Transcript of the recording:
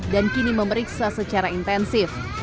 dan kini memeriksa secara intensif